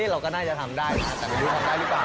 เราก็น่าจะทำได้แต่ไม่รู้ทำได้หรือเปล่า